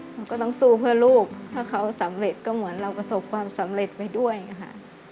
หนูก็ต้องสู้เพื่อลูกถ้าเขาสำเร็จก็เหมือนเราประสบความสำเร็จไปด้วยค่ะ